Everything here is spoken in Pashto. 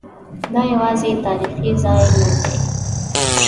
دا یوازې تاریخي ځای نه دی.